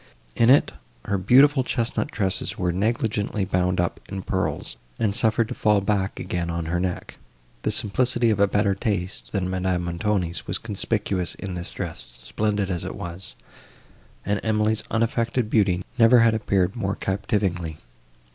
In it, her beautiful chestnut tresses were negligently bound up in pearls, and suffered to fall back again on her neck. The simplicity of a better taste, than Madame Montoni's, was conspicuous in this dress, splendid as it was, and Emily's unaffected beauty never had appeared more captivatingly.